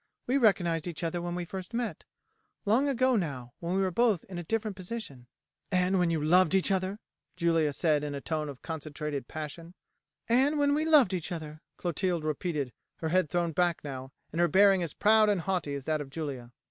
We recognized each other when we first met. Long ago now, when we were both in a different position " "And when you loved each other?" Julia said in a tone of concentrated passion. "And when we loved each other," Clotilde repeated, her head thrown back now, and her bearing as proud and haughty as that of Julia.